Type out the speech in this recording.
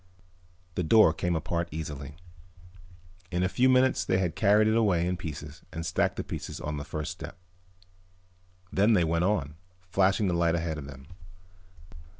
The door came apart easily. In a few minutes they had carried it away in pieces and stacked the pieces on the first step. Then they went on, flashing the light ahead of them.